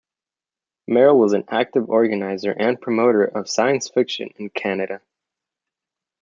Merril was an active organizer and promoter of science fiction in Canada.